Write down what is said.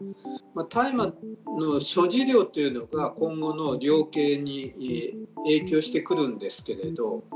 大麻の所持量というのが、今後の量刑に影響してくるんですけれど。